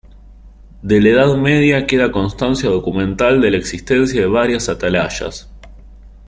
De la Edad Media queda constancia documental de la existencia de varias atalayas.